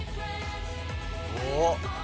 おっ！